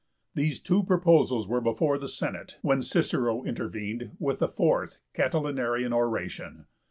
These two proposals were before the Senate when Cicero intervened with the Fourth Catilinarian Oration.